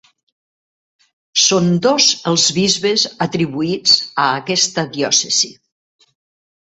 Són dos els bisbes atribuïts a aquesta diòcesi.